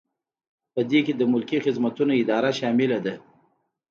په دې کې د ملکي خدمتونو اداره شامله ده.